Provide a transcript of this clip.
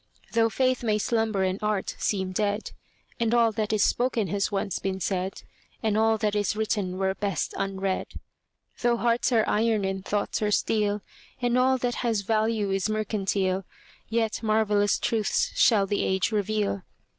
Though faith may slumber and art seem dead, And all that is spoken has once been said, And all that is written were best unread; Though hearts are iron and thoughts are steel, And all that has value is mercantile, Yet marvellous truths shall the age reveal.